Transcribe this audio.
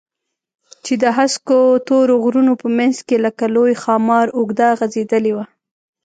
چې د هسکو تورو غرونو په منځ کښې لکه لوى ښامار اوږده غځېدلې وه.